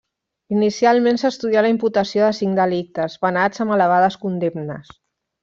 Inicialment s'estudià la imputació de cinc delictes, penats amb elevades condemnes.